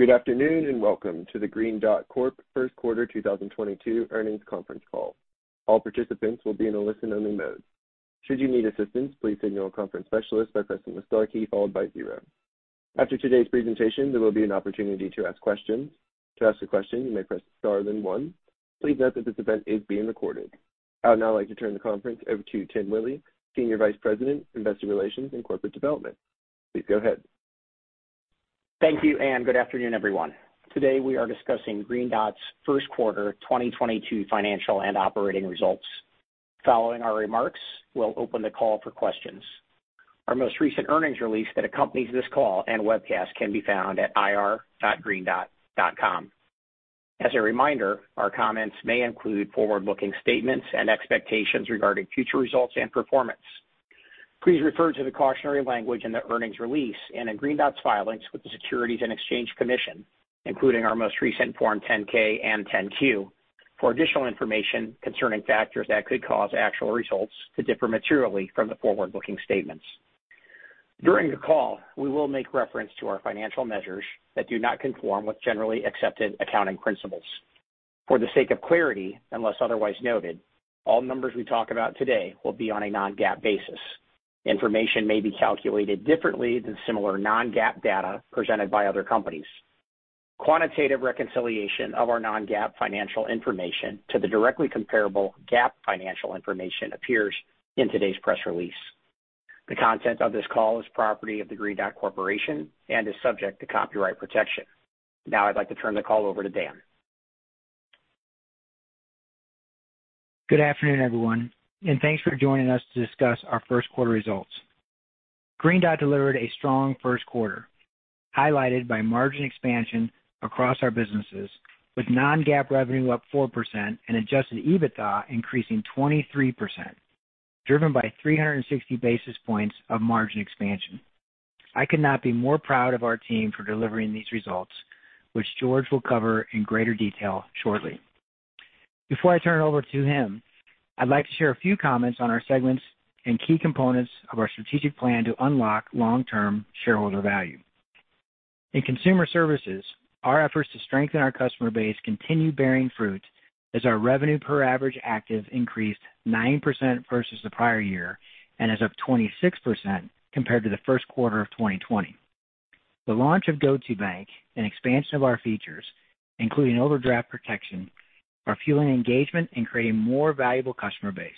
Good afternoon, and welcome to the Green Dot Corp. first quarter 2022 earnings conference call. All participants will be in a listen-only mode. Should you need assistance, please signal a conference specialist by pressing the star key followed by zero. After today's presentation, there will be an opportunity to ask questions. To ask a question, you may press star then one. Please note that this event is being recorded. I would now like to turn the conference over to Tim Willi, Senior Vice President, Investor Relations and Corporate Development. Please go ahead. Thank you, and good afternoon, everyone. Today we are discussing Green Dot's first quarter 2022 financial and operating results. Following our remarks, we'll open the call for questions. Our most recent earnings release that accompanies this call and webcast can be found at ir.greendot.com. As a reminder, our comments may include forward-looking statements and expectations regarding future results and performance. Please refer to the cautionary language in the earnings release and in Green Dot's filings with the Securities and Exchange Commission, including our most recent Form 10-K and Form 10-Q for additional information concerning factors that could cause actual results to differ materially from the forward-looking statements. During the call, we will make reference to our financial measures that do not conform with generally accepted accounting principles. For the sake of clarity, unless otherwise noted, all numbers we talk about today will be on a non-GAAP basis. Information may be calculated differently than similar non-GAAP data presented by other companies. Quantitative reconciliation of our non-GAAP financial information to the directly comparable GAAP financial information appears in today's press release. The content of this call is property of the Green Dot Corporation and is subject to copyright protection. Now I'd like to turn the call over to Dan. Good afternoon, everyone, and thanks for joining us to discuss our first quarter results. Green Dot delivered a strong first quarter, highlighted by margin expansion across our businesses with non-GAAP revenue up 4% and adjusted EBITDA increasing 23%, driven by 360 basis points of margin expansion. I could not be more proud of our team for delivering these results, which George will cover in greater detail shortly. Before I turn it over to him, I'd like to share a few comments on our segments and key components of our strategic plan to unlock long-term shareholder value. In consumer services, our efforts to strengthen our customer base continue bearing fruit as our revenue per average active increased 9% versus the prior year and is up 26% compared to the first quarter of 2020. The launch of GO2bank and expansion of our features, including overdraft protection, are fueling engagement and creating more valuable customer base.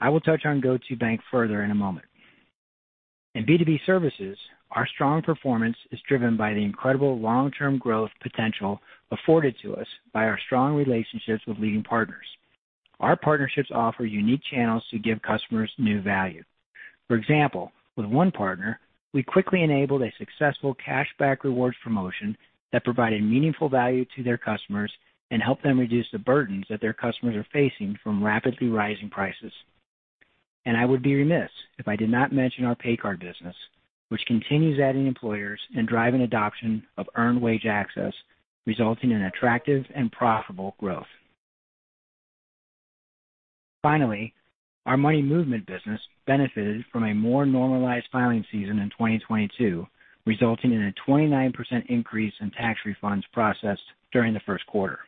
I will touch on GO2bank further in a moment. In B2B services, our strong performance is driven by the incredible long-term growth potential afforded to us by our strong relationships with leading partners. Our partnerships offer unique channels to give customers new value. For example, with one partner, we quickly enabled a successful cashback rewards promotion that provided meaningful value to their customers and help them reduce the burdens that their customers are facing from rapidly rising prices. I would be remiss if I did not mention our pay card business, which continues adding employers and driving adoption of earned wage access, resulting in attractive and profitable growth. Finally, our money movement business benefited from a more normalized filing season in 2022, resulting in a 29% increase in tax refunds processed during the first quarter.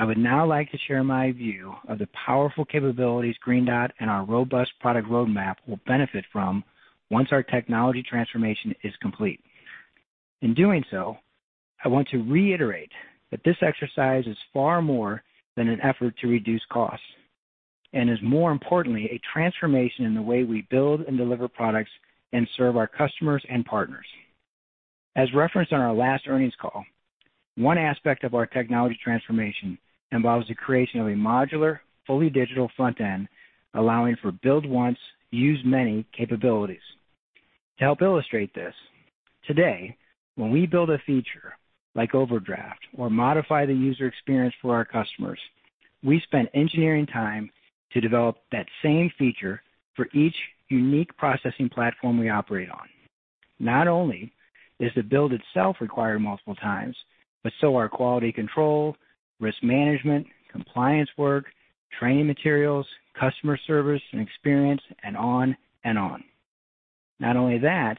I would now like to share my view of the powerful capabilities Green Dot and our robust product roadmap will benefit from once our technology transformation is complete. In doing so, I want to reiterate that this exercise is far more than an effort to reduce costs and is more importantly a transformation in the way we build and deliver products and serve our customers and partners. As referenced on our last earnings call, one aspect of our technology transformation involves the creation of a modular, fully digital front end, allowing for build once, use many capabilities. To help illustrate this, today, when we build a feature like overdraft or modify the user experience for our customers, we spend engineering time to develop that same feature for each unique processing platform we operate on. Not only is the build itself required multiple times, but so are quality control, risk management, compliance work, training materials, customer service and experience, and on and on. Not only that,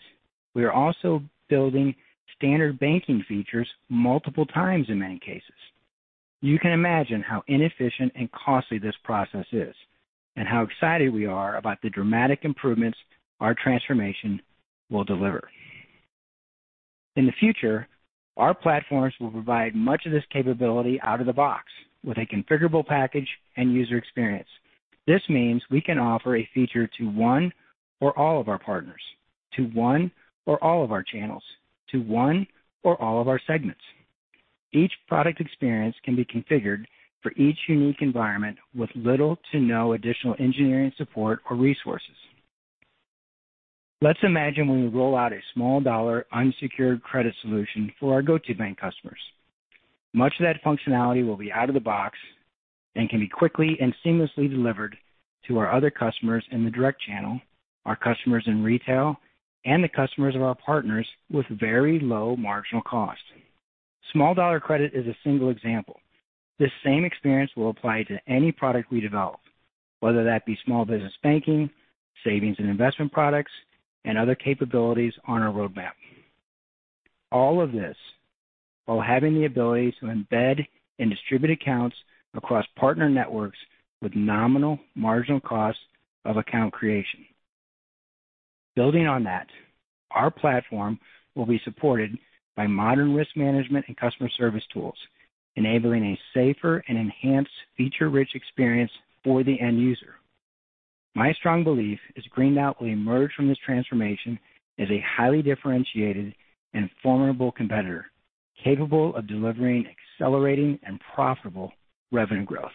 we are also building standard banking features multiple times in many cases. You can imagine how inefficient and costly this process is and how excited we are about the dramatic improvements our transformation will deliver. In the future, our platforms will provide much of this capability out of the box with a configurable package and user experience. This means we can offer a feature to one or all of our partners, to one or all of our channels, to one or all of our segments. Each product experience can be configured for each unique environment with little to no additional engineering support or resources. Let's imagine when we roll out a small dollar unsecured credit solution for our GO2bank customers. Much of that functionality will be out of the box and can be quickly and seamlessly delivered to our other customers in the direct channel, our customers in retail, and the customers of our partners with very low marginal cost. Small dollar credit is a single example. This same experience will apply to any product we develop, whether that be small business banking, savings and investment products, and other capabilities on our roadmap. All of this while having the ability to embed and distribute accounts across partner networks with nominal marginal costs of account creation. Building on that, our platform will be supported by modern risk management and customer service tools, enabling a safer and enhanced feature-rich experience for the end user. My strong belief is Green Dot will emerge from this transformation as a highly differentiated and formidable competitor, capable of delivering accelerating and profitable revenue growth.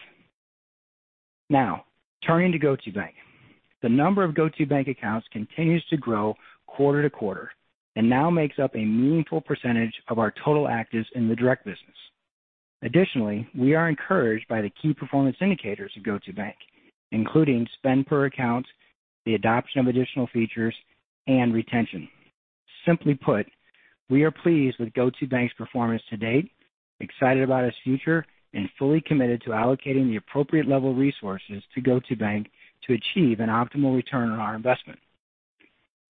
Now turning to GO2bank. The number of GO2bank accounts continues to grow quarter to quarter and now makes up a meaningful percentage of our total actives in the direct business. Additionally, we are encouraged by the key performance indicators of GO2bank, including spend per account, the adoption of additional features, and retention. Simply put, we are pleased with GO2bank's performance to date, excited about its future, and fully committed to allocating the appropriate level of resources to GO2bank to achieve an optimal return on our investment.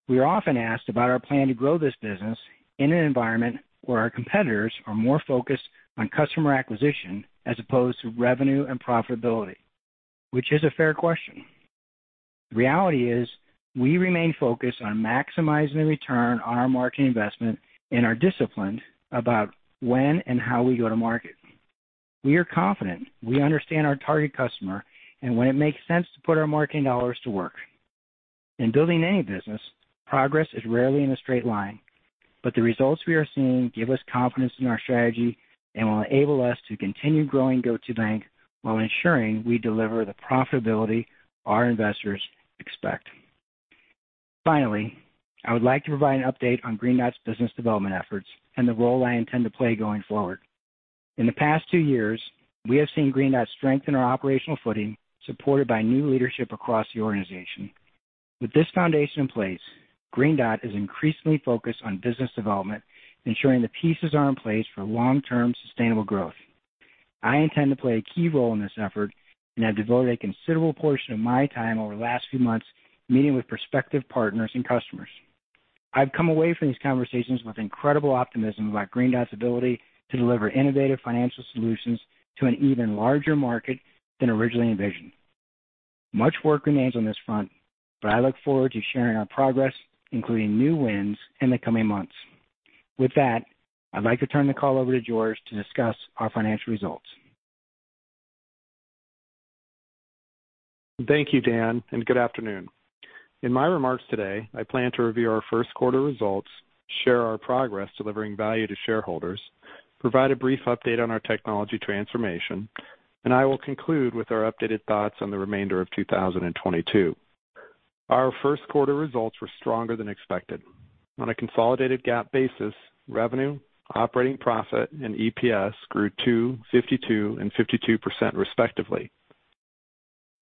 We are often asked about our plan to grow this business in an environment where our competitors are more focused on customer acquisition as opposed to revenue and profitability, which is a fair question. Reality is, we remain focused on maximizing the return on our marketing investment and are disciplined about when and how we go to market. We are confident we understand our target customer and when it makes sense to put our marketing dollars to work. In building any business, progress is rarely in a straight line, but the results we are seeing give us confidence in our strategy and will enable us to continue growing GO2bank while ensuring we deliver the profitability our investors expect. Finally, I would like to provide an update on Green Dot's business development efforts and the role I intend to play going forward. In the past two years, we have seen Green Dot strengthen our operational footing, supported by new leadership across the organization. With this foundation in place, Green Dot is increasingly focused on business development, ensuring the pieces are in place for long-term sustainable growth. I intend to play a key role in this effort and have devoted a considerable portion of my time over the last few months meeting with prospective partners and customers. I've come away from these conversations with incredible optimism about Green Dot's ability to deliver innovative financial solutions to an even larger market than originally envisioned. Much work remains on this front, but I look forward to sharing our progress, including new wins in the coming months. With that, I'd like to turn the call over to George to discuss our financial results. Thank you, Dan, and good afternoon. In my remarks today, I plan to review our first quarter results, share our progress delivering value to shareholders, provide a brief update on our technology transformation, and I will conclude with our updated thoughts on the remainder of 2022. Our first quarter results were stronger than expected. On a consolidated GAAP basis, revenue, operating profit, and EPS grew 2%, 52%, and 52% respectively.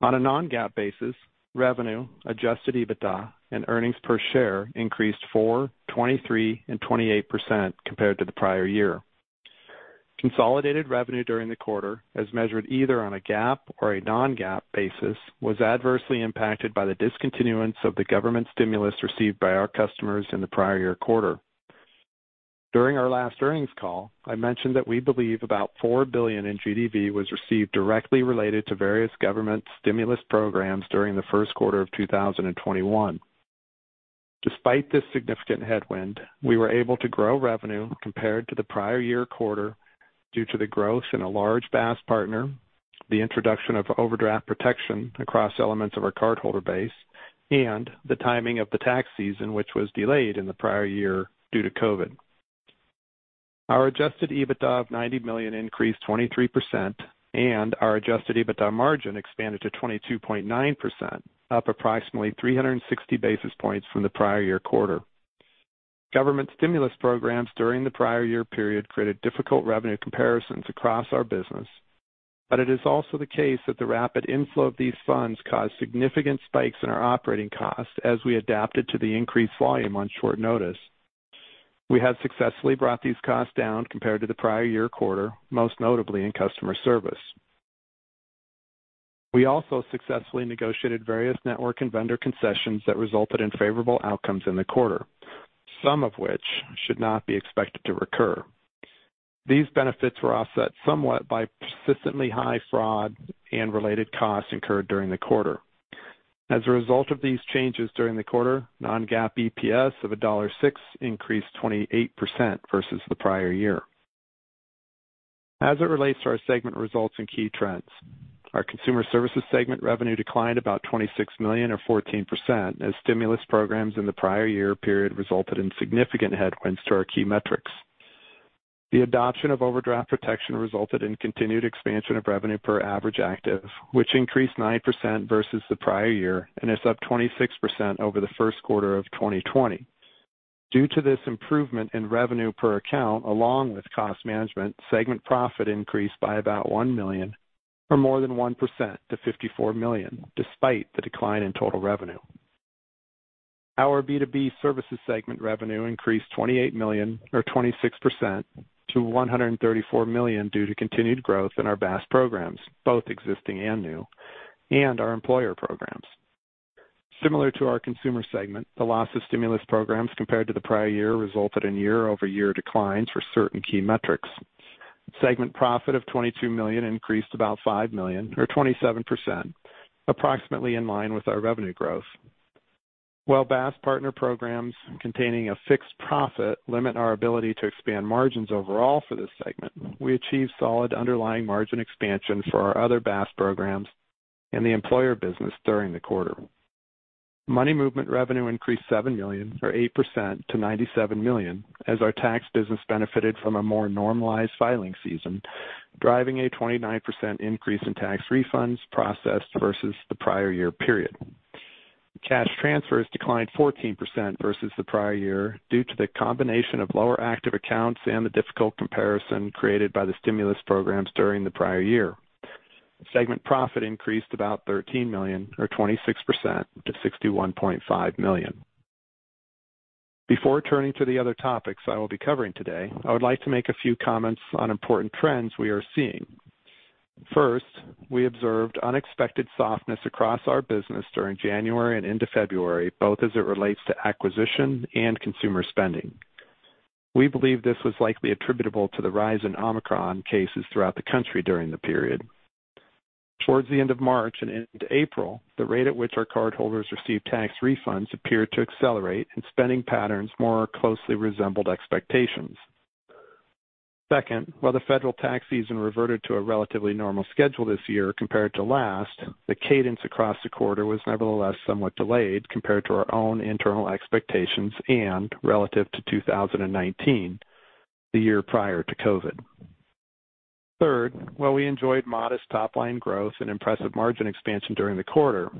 On a non-GAAP basis, revenue, adjusted EBITDA, and earnings per share increased 4%, 23%, and 28% compared to the prior year. Consolidated revenue during the quarter, as measured either on a GAAP or a non-GAAP basis, was adversely impacted by the discontinuance of the government stimulus received by our customers in the prior year quarter. During our last earnings call, I mentioned that we believe about $4 billion in GDV was received directly related to various government stimulus programs during the first quarter of 2021. Despite this significant headwind, we were able to grow revenue compared to the prior year quarter due to the growth in a large BaaS partner, the introduction of overdraft protection across elements of our cardholder base, and the timing of the tax season, which was delayed in the prior year due to COVID. Our adjusted EBITDA of $90 million increased 23%, and our adjusted EBITDA margin expanded to 22.9%, up approximately 360 basis points from the prior year quarter. Government stimulus programs during the prior year period created difficult revenue comparisons across our business. It is also the case that the rapid inflow of these funds caused significant spikes in our operating costs as we adapted to the increased volume on short notice. We have successfully brought these costs down compared to the prior year quarter, most notably in customer service. We also successfully negotiated various network and vendor concessions that resulted in favorable outcomes in the quarter, some of which should not be expected to recur. These benefits were offset somewhat by persistently high fraud and related costs incurred during the quarter. As a result of these changes during the quarter, non-GAAP EPS of $1.06 increased 28% versus the prior year. As it relates to our segment results and key trends, our consumer services segment revenue declined about $26 million or 14% as stimulus programs in the prior year period resulted in significant headwinds to our key metrics. The adoption of overdraft protection resulted in continued expansion of revenue per average active, which increased 9% versus the prior year and is up 26% over the first quarter of 2020. Due to this improvement in revenue per account along with cost management, segment profit increased by about $1 million or more than 1% to $54 million despite the decline in total revenue. Our B2B services segment revenue increased $28 million or 26% to $134 million due to continued growth in our BaaS programs, both existing and new, and our employer programs. Similar to our consumer segment, the loss of stimulus programs compared to the prior year resulted in year-over-year declines for certain key metrics. Segment profit of $22 million increased about $5 million or 27%, approximately in line with our revenue growth. While BaaS partner programs containing a fixed profit limit our ability to expand margins overall for this segment, we achieved solid underlying margin expansion for our other BaaS programs and the employer business during the quarter. Money movement revenue increased $7 million or 8% to $97 million as our tax business benefited from a more normalized filing season, driving a 29% increase in tax refunds processed versus the prior year period. Cash transfers declined 14% versus the prior year due to the combination of lower active accounts and the difficult comparison created by the stimulus programs during the prior year. Segment profit increased about $13 million or 26% to $61.5 million. Before turning to the other topics I will be covering today, I would like to make a few comments on important trends we are seeing. First, we observed unexpected softness across our business during January and into February, both as it relates to acquisition and consumer spending. We believe this was likely attributable to the rise in Omicron cases throughout the country during the period. Towards the end of March and into April, the rate at which our cardholders received tax refunds appeared to accelerate and spending patterns more closely resembled expectations. Second, while the federal tax season reverted to a relatively normal schedule this year compared to last, the cadence across the quarter was nevertheless somewhat delayed compared to our own internal expectations and relative to 2019, the year prior to COVID. Third, while we enjoyed modest top line growth and impressive margin expansion during the quarter,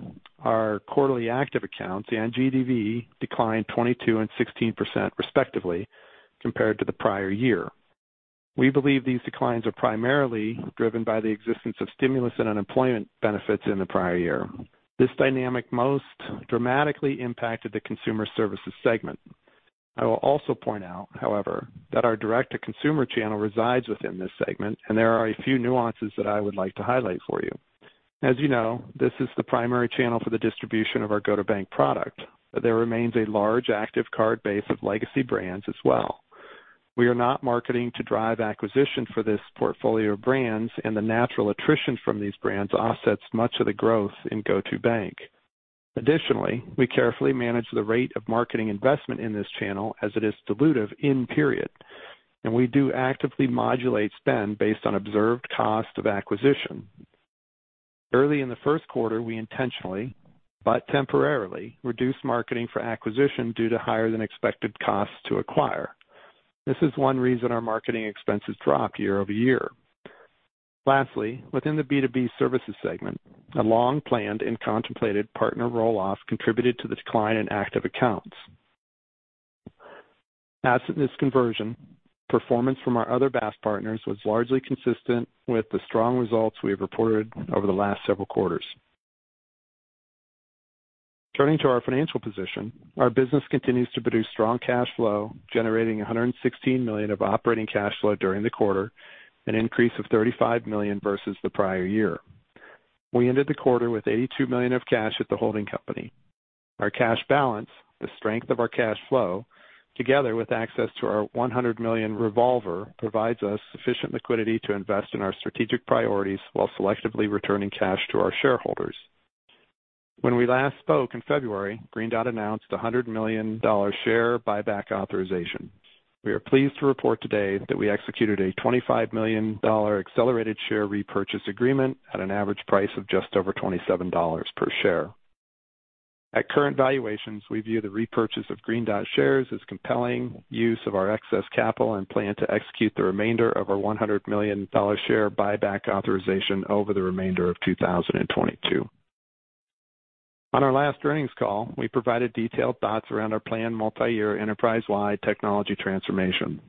our quarterly active accounts and GDV declined 22% and 16% respectively compared to the prior year. We believe these declines are primarily driven by the existence of stimulus and unemployment benefits in the prior year. This dynamic most dramatically impacted the consumer services segment. I will also point out, however, that our direct-to-consumer channel resides within this segment and there are a few nuances that I would like to highlight for you. As you know, this is the primary channel for the distribution of our GO2bank product. There remains a large active card base of legacy brands as well. We are not marketing to drive acquisition for this portfolio of brands and the natural attrition from these brands offsets much of the growth in GO2bank. Additionally, we carefully manage the rate of marketing investment in this channel as it is dilutive in period, and we do actively modulate spend based on observed cost of acquisition. Early in the first quarter, we intentionally but temporarily reduced marketing for acquisition due to higher than expected costs to acquire. This is one reason our marketing expenses dropped year over year. Lastly, within the B2B services segment, a long-planned and contemplated partner roll-off contributed to the decline in active accounts. Absent this conversion, performance from our other BaaS partners was largely consistent with the strong results we have reported over the last several quarters. Turning to our financial position, our business continues to produce strong cash flow, generating $116 million of operating cash flow during the quarter, an increase of $35 million versus the prior year. We ended the quarter with $82 million of cash at the holding company. Our cash balance, the strength of our cash flow, together with access to our $100 million revolver, provides us sufficient liquidity to invest in our strategic priorities while selectively returning cash to our shareholders. When we last spoke in February, Green Dot announced a $100 million share buyback authorization. We are pleased to report today that we executed a $25 million accelerated share repurchase agreement at an average price of just over $27 per share. At current valuations, we view the repurchase of Green Dot shares as compelling use of our excess capital and plan to execute the remainder of our $100 million share buyback authorization over the remainder of 2022. On our last earnings call, we provided detailed thoughts around our planned multi-year enterprise-wide technology transformation.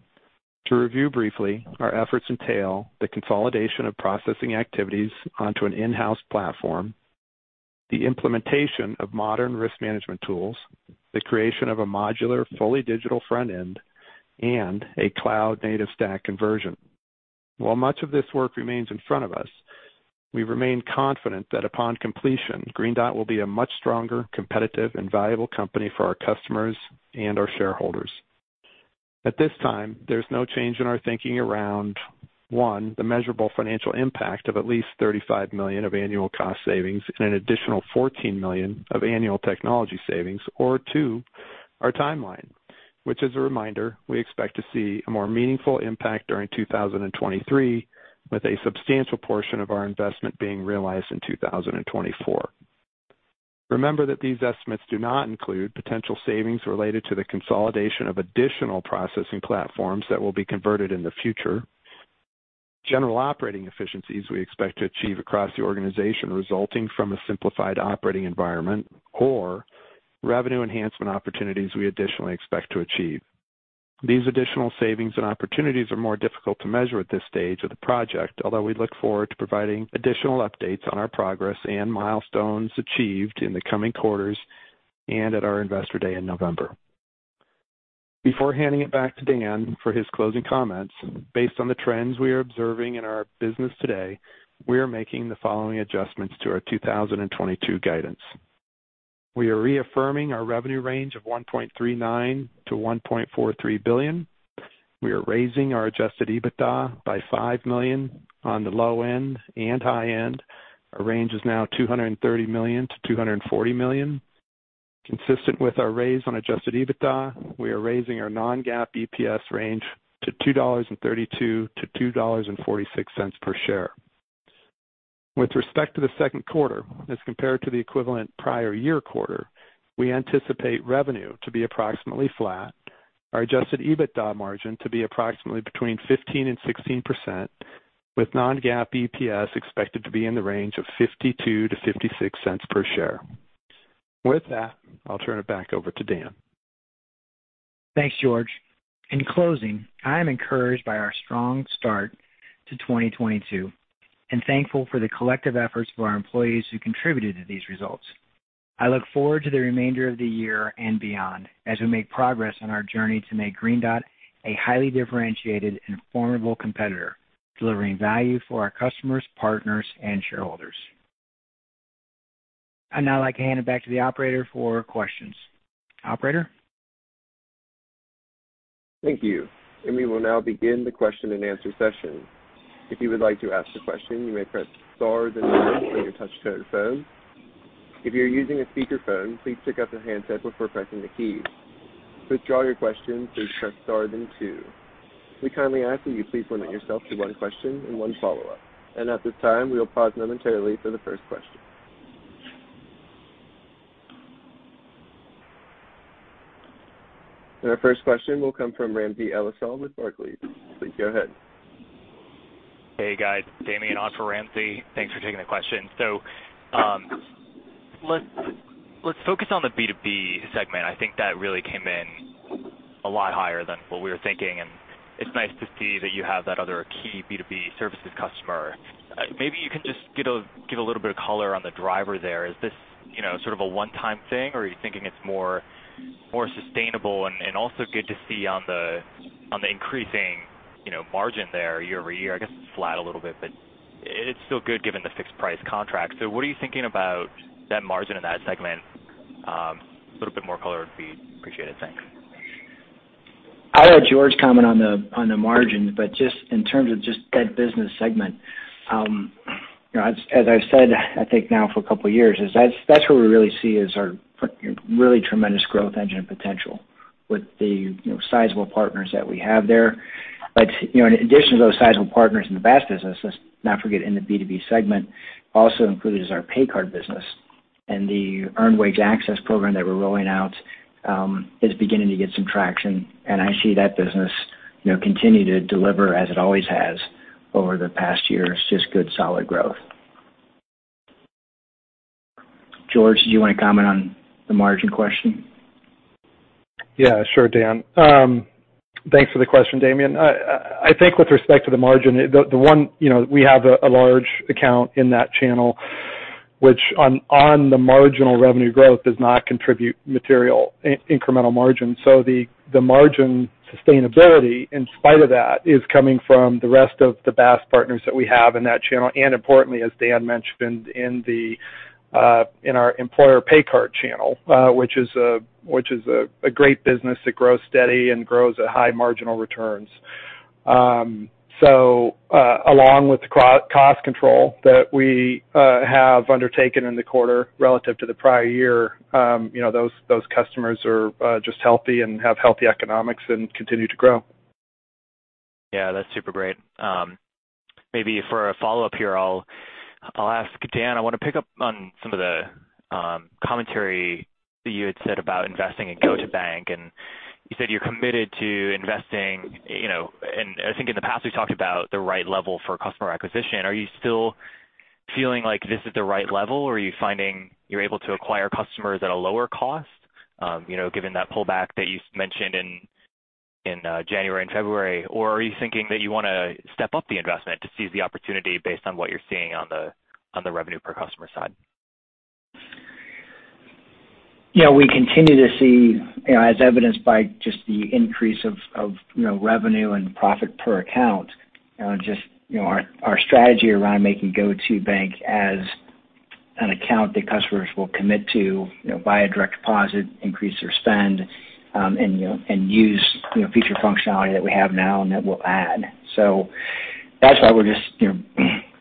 To review briefly, our efforts entail the consolidation of processing activities onto an in-house platform, the implementation of modern risk management tools, the creation of a modular, fully digital front end, and a cloud native stack conversion. While much of this work remains in front of us, we remain confident that upon completion, Green Dot will be a much stronger, competitive, and valuable company for our customers and our shareholders. At this time, there's no change in our thinking around, one, the measurable financial impact of at least $35 million of annual cost savings and an additional $14 million of annual technology savings or, two, our timeline, which as a reminder, we expect to see a more meaningful impact during 2023 with a substantial portion of our investment being realized in 2024. Remember that these estimates do not include potential savings related to the consolidation of additional processing platforms that will be converted in the future. General operating efficiencies we expect to achieve across the organization resulting from a simplified operating environment or revenue enhancement opportunities we additionally expect to achieve. These additional savings and opportunities are more difficult to measure at this stage of the project. Although we look forward to providing additional updates on our progress and milestones achieved in the coming quarters and at our Investor Day in November. Before handing it back to Dan for his closing comments, based on the trends we are observing in our business today, we are making the following adjustments to our 2022 guidance. We are reaffirming our revenue range of $1.39 billion-$1.43 billion. We are raising our adjusted EBITDA by $5 million on the low end and high end. Our range is now $230 million-$240 million. Consistent with our raise on adjusted EBITDA, we are raising our non-GAAP EPS range to $2.32-$2.46 per share. With respect to the second quarter as compared to the equivalent prior year quarter, we anticipate revenue to be approximately flat. Our adjusted EBITDA margin to be approximately between 15% and 16% with non-GAAP EPS expected to be in the range of $0.52-$0.56 per share. With that, I'll turn it back over to Dan. Thanks, George. In closing, I am encouraged by our strong start to 2022 and thankful for the collective efforts of our employees who contributed to these results. I look forward to the remainder of the year and beyond as we make progress on our journey to make Green Dot a highly differentiated and formidable competitor, delivering value for our customers, partners, and shareholders. I'd now like to hand it back to the operator for questions. Operator? Thank you. We will now begin the question-and-answer session. If you would like to ask a question, you may press star then number on your touch-tone phone. If you're using a speakerphone, please pick up the handset before pressing the key. To withdraw your question, please press star then two. We kindly ask that you please limit yourself to one question and one follow-up. At this time, we will pause momentarily for the first question. Our first question will come from Ramsey El-Assal with Barclays. Please go ahead. Hey, guys. Damian on for Ramsey. Thanks for taking the question. Let's focus on the B2B segment. I think that really came in a lot higher than what we were thinking, and it's nice to see that you have that other key B2B services customer. Maybe you can just give a little bit of color on the driver there. Is this, you know, sort of a one-time thing, or are you thinking it's more sustainable? Also good to see on the increasing, you know, margin there year-over-year. I guess it's flat a little bit, but it's still good given the fixed price contract. What are you thinking about that margin in that segment? A little bit more color would be appreciated. Thanks. I'll let George comment on the margin, but just in terms of just that business segment, you know, as I've said, I think now for a couple of years, that's where we really see our really tremendous growth engine potential with the, you know, sizable partners that we have there. You know, in addition to those sizable partners in the BaaS business, let's not forget in the B2B segment also included is our pay card business. The earned wage access program that we're rolling out is beginning to get some traction. I see that business, you know, continue to deliver as it always has over the past year. It's just good, solid growth. George, do you want to comment on the margin question? Yeah, sure, Dan. Thanks for the question, Damian. I think with respect to the margin, the one you know, we have a large account in that channel which on the marginal revenue growth does not contribute material incremental margin. The margin sustainability in spite of that is coming from the rest of the BaaS partners that we have in that channel, and importantly, as Dan mentioned, in our employer pay card channel, which is a great business that grows steady and grows at high marginal returns. Along with the cost control that we have undertaken in the quarter relative to the prior year, you know, those customers are just healthy and have healthy economics and continue to grow. Yeah, that's super great. Maybe for a follow-up here, I'll ask Dan. I wanna pick up on some of the commentary that you had said about investing in GO2bank, and you said you're committed to investing, you know. I think in the past, we've talked about the right level for customer acquisition. Are you still feeling like this is the right level, or are you finding you're able to acquire customers at a lower cost? You know, given that pullback that you mentioned in January and February, or are you thinking that you wanna step up the investment to seize the opportunity based on what you're seeing on the revenue per customer side? Yeah. We continue to see, you know, as evidenced by just the increase of, you know, revenue and profit per account, just, you know, our strategy around making GO2bank as an account that customers will commit to, you know, via direct deposit, increase their spend, and use, you know, feature functionality that we have now and that we'll add. That's why we're just, you know,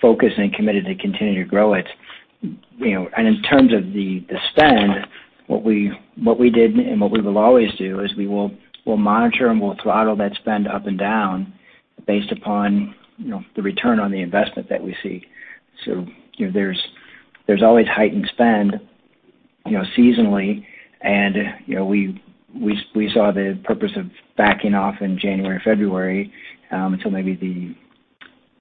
focused and committed to continue to grow it. You know, in terms of the spend, what we did and what we will always do is we'll monitor and we'll throttle that spend up and down based upon, you know, the return on the investment that we see. You know, there's always heightened spend, you know, seasonally. You know, we saw the purpose of backing off in January, February, until maybe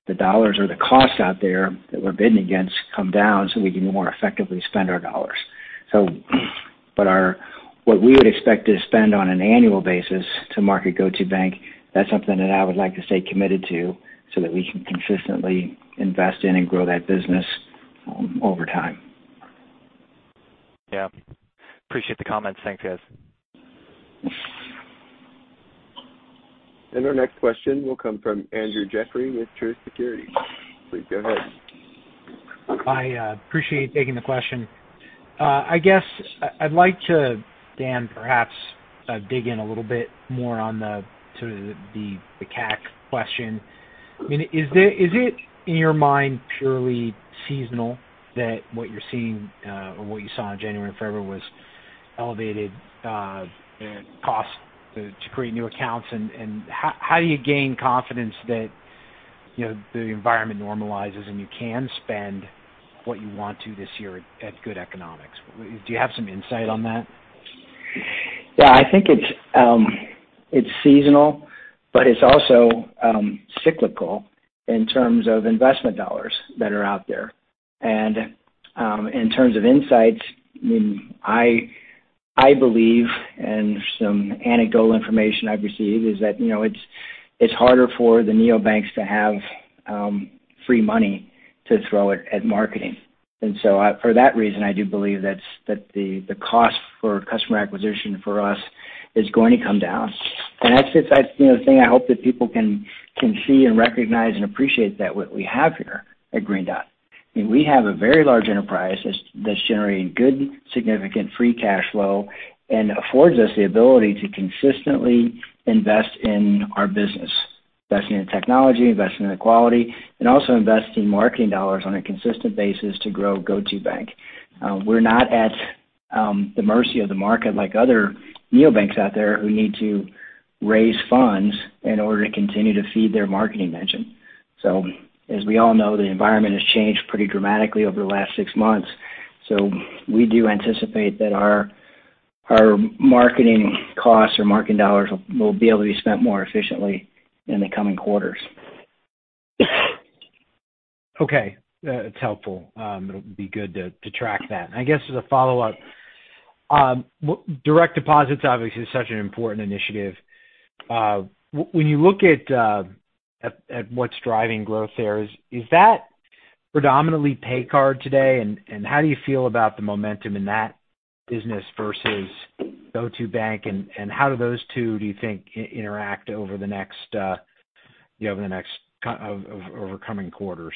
the dollars or the cost out there that we're bidding against come down so we can more effectively spend our dollars. What we would expect to spend on an annual basis to market GO2bank, that's something that I would like to stay committed to so that we can consistently invest in and grow that business, over time. Yeah. Appreciate the comments. Thanks, guys. Our next question will come from Andrew Jeffrey with Truist Securities. Please go ahead. I appreciate taking the question. I guess I'd like to, Dan, perhaps, dig in a little bit more on the CAC question. I mean, is it in your mind purely seasonal that what you're seeing, or what you saw in January and February was elevated costs to create new accounts? How do you gain confidence that, you know, the environment normalizes and you can spend what you want to this year at good economics? Do you have some insight on that? Yeah. I think it's seasonal, but it's also cyclical in terms of investment dollars that are out there. In terms of insights, I mean, I believe, and some anecdotal information I've received is that, you know, it's harder for the neobanks to have free money to throw at marketing. For that reason, I do believe that the cost for customer acquisition for us is going to come down. That's, you know, the thing I hope that people can see and recognize and appreciate that what we have here at Green Dot. I mean, we have a very large enterprise that's generating good, significant free cash flow and affords us the ability to consistently invest in our business. Investing in technology, investing in equality, and also investing marketing dollars on a consistent basis to grow GO2bank. We're not at the mercy of the market like other neobanks out there who need to raise funds in order to continue to feed their marketing engine. As we all know, the environment has changed pretty dramatically over the last six months. We do anticipate that our marketing costs or marketing dollars will be able to be spent more efficiently in the coming quarters. Okay. That's helpful. It'll be good to track that. I guess as a follow-up, direct deposits obviously is such an important initiative. When you look at what's driving growth there, is that predominantly pay card today? How do you feel about the momentum in that business versus GO2bank? How do those two, do you think, interact over the next, you know, over the coming quarters?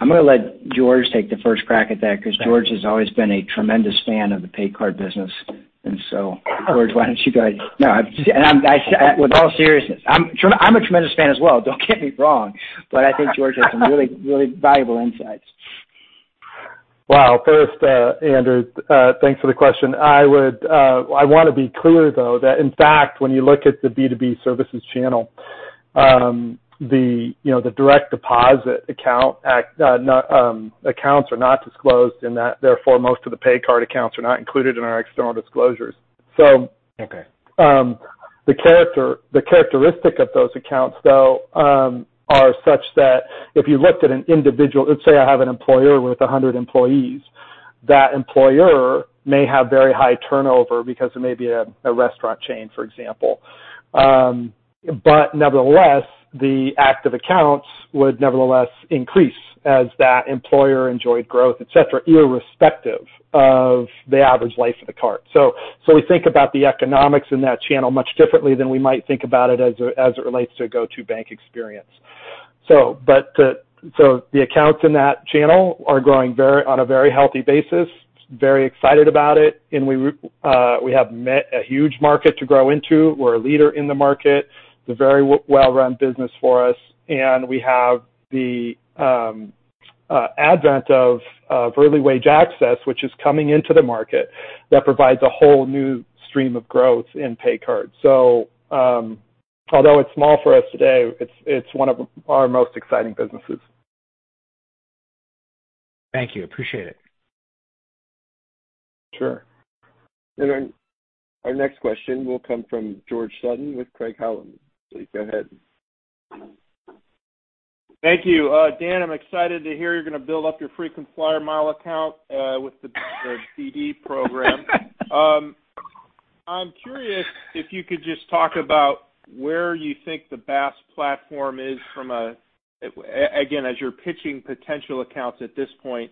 I'm gonna let George take the first crack at that because George has always been a tremendous fan of the pay card business. George, why don't you go ahead. No. With all seriousness, I'm a tremendous fan as well. Don't get me wrong. I think George has some really, really valuable insights. Well, first, Andrew, thanks for the question. I want to be clear, though, that in fact, when you look at the B2B services channel, you know, the direct deposit accounts are not disclosed in that. Therefore, most of the pay card accounts are not included in our external disclosures. Okay. The characteristic of those accounts, though, are such that if you looked at an individual, let's say I have an employer with 100 employees. That employer may have very high turnover because it may be a restaurant chain, for example. Nevertheless, the active accounts would increase as that employer enjoyed growth, et cetera, irrespective of the average life of the card. We think about the economics in that channel much differently than we might think about it as it relates to a GO2bank experience. The accounts in that channel are growing on a very healthy basis. Very excited about it. We have a huge market to grow into. We're a leader in the market. It's a very well-run business for us. We have the advent of early wage access, which is coming into the market that provides a whole new stream of growth in pay cards. Although it's small for us today, it's one of our most exciting businesses. Thank you. Appreciate it. Sure. Our next question will come from George Sutton with Craig-Hallum. Please go ahead. Thank you. Dan, I'm excited to hear you're gonna build up your frequent flyer mile account with the BD program. I'm curious if you could just talk about where you think the BaaS platform is again, as you're pitching potential accounts at this point,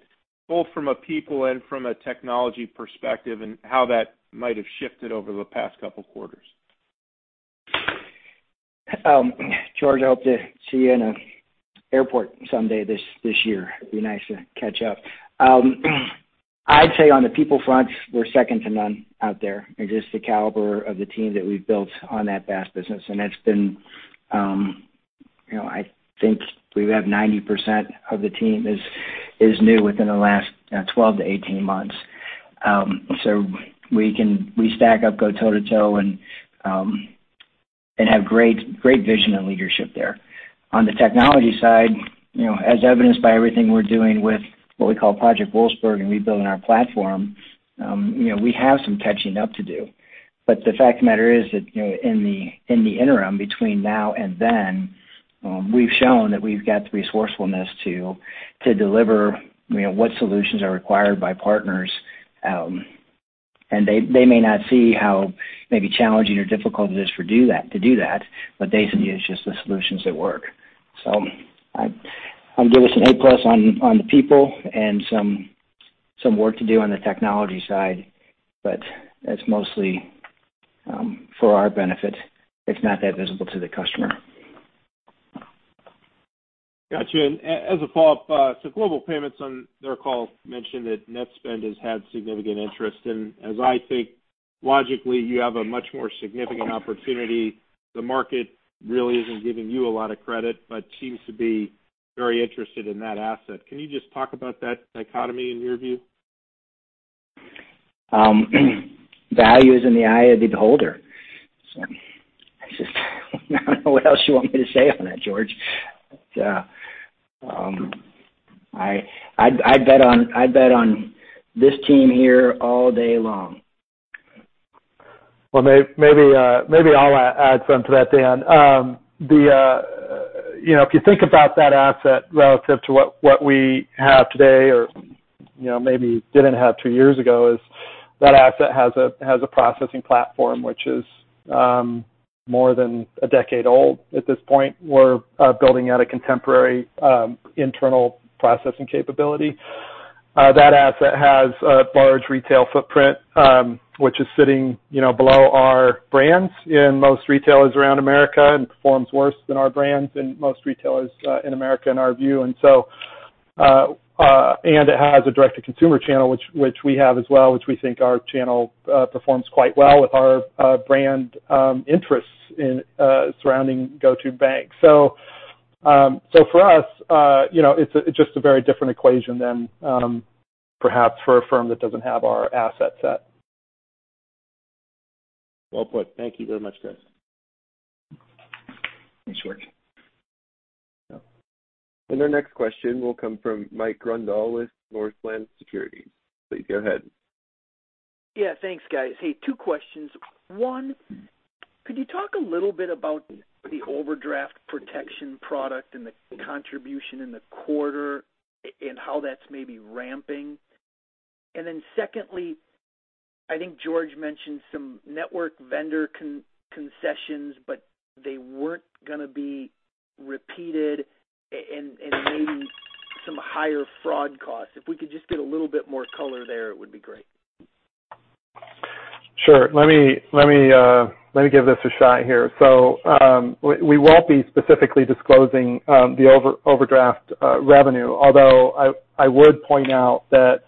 both from a people and from a technology perspective, and how that might have shifted over the past couple quarters. George, I hope to see you in an airport someday this year. It'd be nice to catch up. I'd say on the people front, we're second to none out there. Just the caliber of the team that we've built on that BaaS business, and it's been, you know, I think we have 90% of the team is new within the last 12-18 months. We stack up, go toe-to-toe and have great vision and leadership there. On the technology side, you know, as evidenced by everything we're doing with what we call Project Wolfsburg and rebuilding our platform, you know, we have some catching up to do. The fact of the matter is that, you know, in the interim between now and then, we've shown that we've got the resourcefulness to deliver, you know, what solutions are required by partners. They may not see how maybe challenging or difficult it is to do that, but they see it's just the solutions that work. So I'm giving us an A-plus on the people and some work to do on the technology side, but that's mostly for our benefit. It's not that visible to the customer. Got you. As a follow-up, Global Payments on their call mentioned that Netspend has had significant interest. As I think logically, you have a much more significant opportunity. The market really isn't giving you a lot of credit, but seems to be very interested in that asset. Can you just talk about that dichotomy in your view? Value is in the eye of the beholder. It's just I don't know what else you want me to say on that, George. I'd bet on this team here all day long. Well, maybe I'll add some to that, Dan. You know, if you think about that asset relative to what we have today or what we maybe didn't have two years ago, that asset has a processing platform which is more than a decade old at this point. We're building out a contemporary internal processing capability. That asset has a large retail footprint, which is sitting, you know, below our brands in most retailers around America and performs worse than our brands in most retailers in America, in our view. It has a direct-to-consumer channel, which we have as well, which we think our channel performs quite well with our brand interests in surrounding GO2bank. For us, you know, it's just a very different equation than perhaps for a firm that doesn't have our asset set. Well put. Thank you very much, George. Thanks, George. Yeah. Our next question will come from Mike Grondahl with Northland Securities. Please go ahead. Yeah. Thanks, guys. Hey, two questions. One, could you talk a little bit about the overdraft protection product and the contribution in the quarter and how that's maybe ramping? Secondly, I think George mentioned some network vendor concessions, but they weren't gonna be repeated and maybe some higher fraud costs. If we could just get a little bit more color there, it would be great. Sure. Let me give this a shot here. We won't be specifically disclosing the overdraft revenue, although I would point out that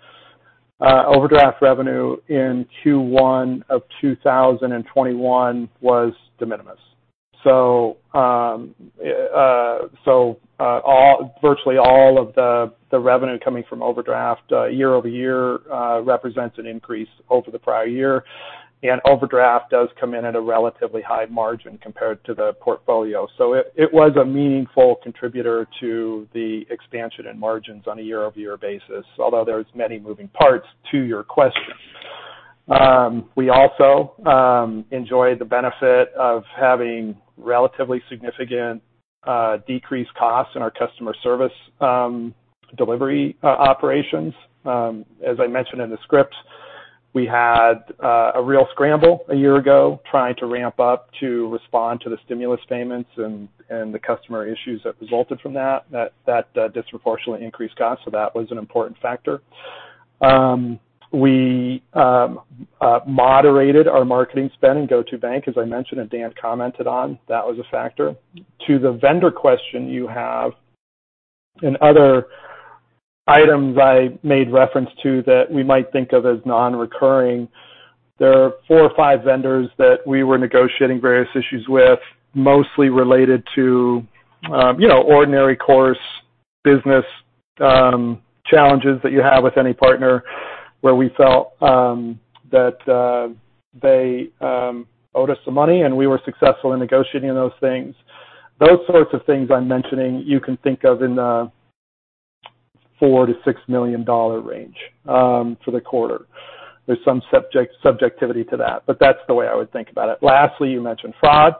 overdraft revenue in Q1 of 2021 was de minimis. Virtually all of the revenue coming from overdraft year over year represents an increase over the prior year. Overdraft does come in at a relatively high margin compared to the portfolio. It was a meaningful contributor to the expansion in margins on a year-over-year basis, although there's many moving parts to your question. We also enjoy the benefit of having relatively significant decreased costs in our customer service delivery operations. As I mentioned in the script, we had a real scramble a year ago trying to ramp up to respond to the stimulus payments and the customer issues that resulted from that that disproportionately increased costs. That was an important factor. We moderated our marketing spend in GO2bank, as I mentioned and Dan commented on. That was a factor. To the vendor question you have and other items I made reference to that we might think of as non-recurring, there are four or five vendors that we were negotiating various issues with, mostly related to you know, ordinary course business challenges that you have with any partner where we felt that they owed us some money, and we were successful in negotiating those things. Those sorts of things I'm mentioning, you can think of in the $4 million-$6 million range for the quarter. There's some subjectivity to that, but that's the way I would think about it. Lastly, you mentioned fraud.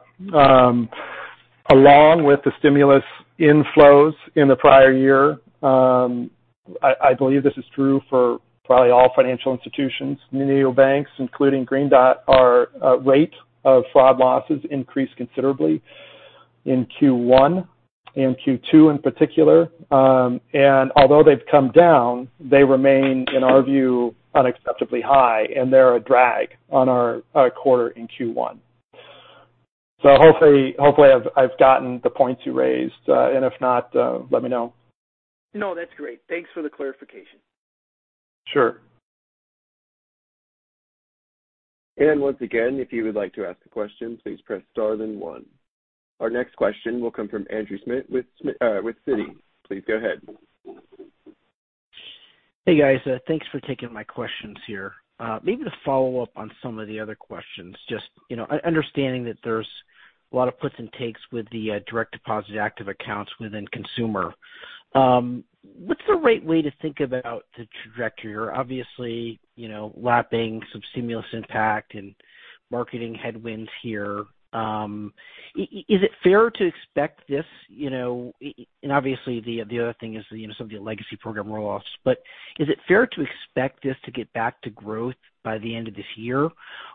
Along with the stimulus inflows in the prior year, I believe this is true for probably all financial institutions. Community banks, including Green Dot, our rate of fraud losses increased considerably in Q1 and Q2 in particular. Although they've come down, they remain, in our view, unacceptably high, and they're a drag on our quarter in Q1. Hopefully, I've gotten the points you raised. If not, let me know. No, that's great. Thanks for the clarification. Sure. Once again, if you would like to ask a question, please press star then one. Our next question will come from Ashwin Shirvaikar with Citi. Please go ahead. Hey, guys. Thanks for taking my questions here. Maybe to follow up on some of the other questions, just, you know, understanding that there's a lot of puts and takes with the direct deposit active accounts within consumer. What's the right way to think about the trajectory? You're obviously, you know, lapping some stimulus impact and marketing headwinds here. Is it fair to expect this? You know, and obviously the other thing is, you know, some of the legacy program roll-offs. But is it fair to expect this to get back to growth by the end of this year?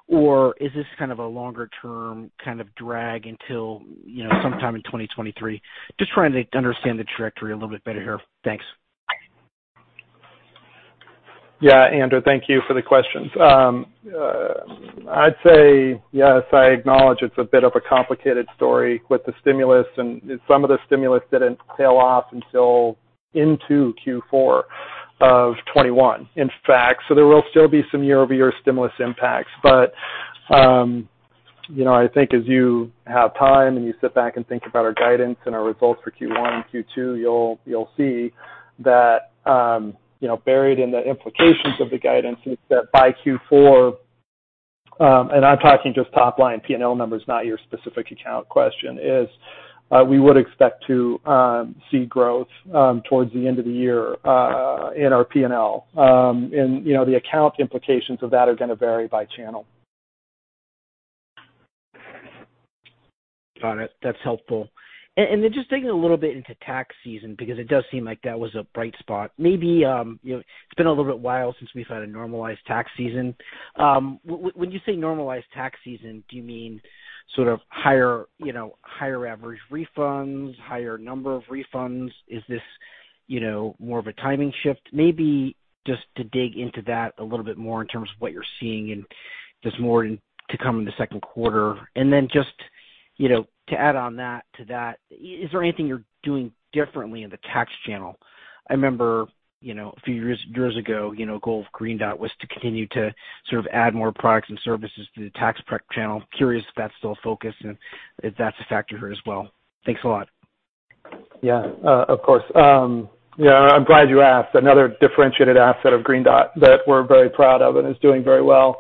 Or is this kind of a longer term kind of drag until, you know, sometime in 2023? Just trying to understand the trajectory a little bit better here. Thanks. Yeah, Andrew, thank you for the questions. I'd say yes, I acknowledge it's a bit of a complicated story with the stimulus and some of the stimulus didn't tail off until into Q4 of 2021, in fact. There will still be some year-over-year stimulus impacts. You know, I think as you have time and you sit back and think about our guidance and our results for Q1 and Q2, you'll see that, you know, buried in the implications of the guidance is that by Q4, and I'm talking just top-line P&L numbers, not your specific account question, we would expect to see growth towards the end of the year in our P&L. You know, the account implications of that are gonna vary by channel. Got it. That's helpful. Then just digging a little bit into tax season because it does seem like that was a bright spot. Maybe, you know, it's been a little while since we've had a normalized tax season. When you say normalized tax season, do you mean sort of higher, you know, higher average refunds, higher number of refunds? Is this, you know, more of a timing shift? Maybe just to dig into that a little bit more in terms of what you're seeing and there's more to come in the second quarter. Then just, you know, to add on to that, is there anything you're doing differently in the tax channel? I remember, you know, a few years ago, you know, goal of Green Dot was to continue to sort of add more products and services to the tax prep channel. Curious if that's still a focus and if that's a factor here as well. Thanks a lot. Yeah, of course. Yeah, I'm glad you asked. Another differentiated asset of Green Dot that we're very proud of and is doing very well.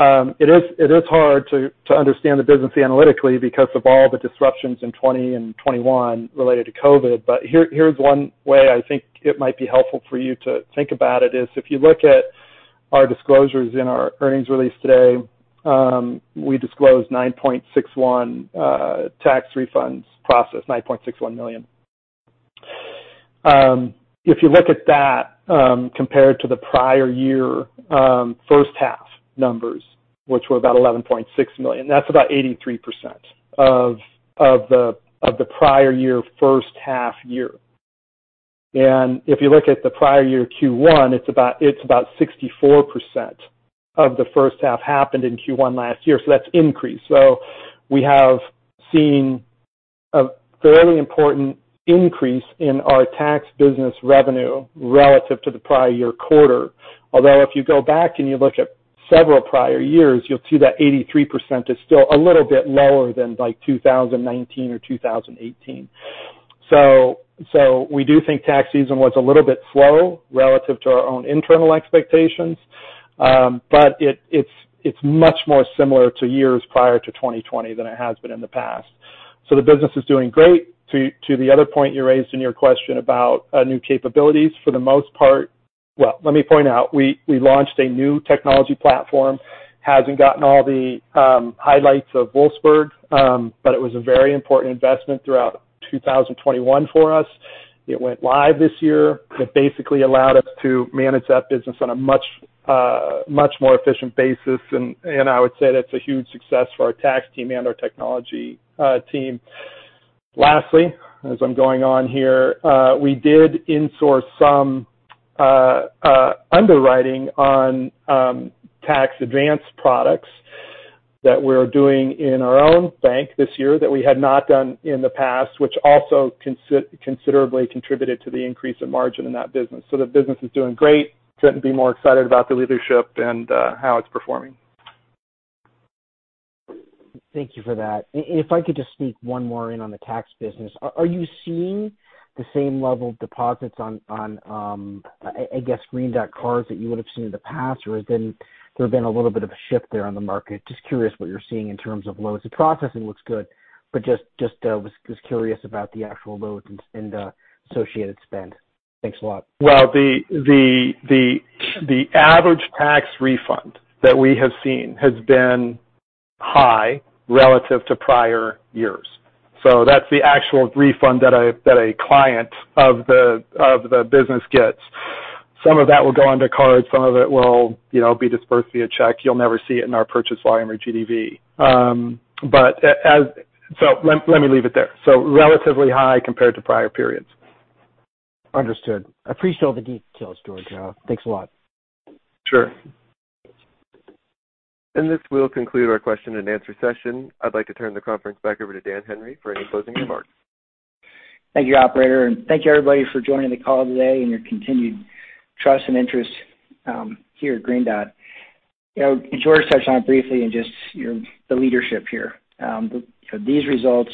It is hard to understand the business analytically because of all the disruptions in 2020 and 2021 related to COVID. Here's one way I think it might be helpful for you to think about it, if you look at our disclosures in our earnings release today, we disclosed 9.61 million tax refunds processed. If you look at that, compared to the prior year first half numbers, which were about 11.6 million, that's about 83% of the prior year first half. If you look at the prior year Q1, it's about 64% of the first half happened in Q1 last year. That's increased. We have seen a fairly important increase in our tax business revenue relative to the prior year quarter. Although if you go back and you look at several prior years, you'll see that 83% is still a little bit lower than like 2019 or 2018. So we do think tax season was a little bit slow relative to our own internal expectations. But it's much more similar to years prior to 2020 than it has been in the past. The business is doing great. To the other point you raised in your question about new capabilities, for the most part. Well, let me point out, we launched a new technology platform. Hasn't gotten all the highlights of Wolfsburg, but it was a very important investment throughout 2021 for us. It went live this year. It basically allowed us to manage that business on a much more efficient basis and I would say that's a huge success for our tax team and our technology team. Lastly, as I'm going on here, we did insource some underwriting on tax advance products that we're doing in our own bank this year that we had not done in the past, which also considerably contributed to the increase in margin in that business. The business is doing great. Couldn't be more excited about the leadership and how it's performing. Thank you for that. If I could just sneak one more in on the tax business. Are you seeing the same level of deposits on, I guess, Green Dot cards that you would have seen in the past? Or has there been a little bit of a shift there on the market? Just curious what you're seeing in terms of loads. The processing looks good, but just was just curious about the actual loads and associated spend. Thanks a lot. Well, the average tax refund that we have seen has been high relative to prior years. That's the actual refund that a client of the business gets. Some of that will go onto card, some of it will, you know, be dispersed via check. You'll never see it in our purchase volume or GDV. Let me leave it there. Relatively high compared to prior periods. Understood. I appreciate all the details, George. Thanks a lot. Sure. This will conclude our question and answer session. I'd like to turn the conference back over to Dan Henry for any closing remarks. Thank you, operator, and thank you everybody for joining the call today and your continued trust and interest here at Green Dot. You know, George touched on it briefly and just, you know, the leadership here. These results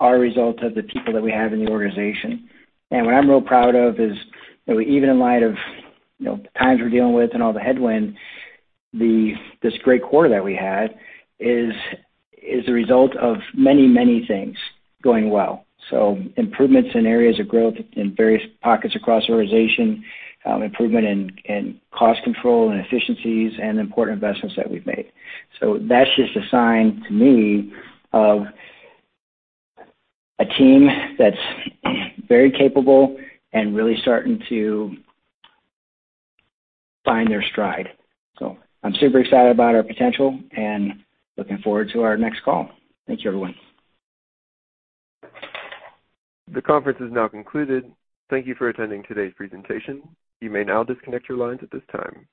are a result of the people that we have in the organization. What I'm real proud of is, you know, even in light of, you know, the times we're dealing with and all the headwind, this great quarter that we had is a result of many, many things going well. Improvements in areas of growth in various pockets across the organization, improvement in cost control and efficiencies and important investments that we've made. That's just a sign to me of a team that's very capable and really starting to find their stride. I'm super excited about our potential and looking forward to our next call. Thank you, everyone. The conference is now concluded. Thank you for attending today's presentation. You may now disconnect your lines at this time.